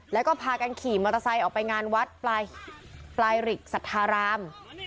แล้วก็พากันขี่มอเตอร์ไซค์ออกไปงานวัดปลายริกสัทธาราม